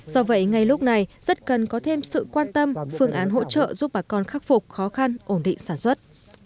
do vậy ngay lúc này rất cần có thêm sự quan tâm phương án hỗ trợ giúp bà con khắc phục khó khăn ổn định sản xuất